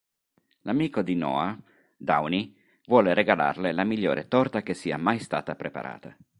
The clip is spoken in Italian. L'amico di Noah, Downey vuole regalarle la migliore torta che sia mai stata preparata.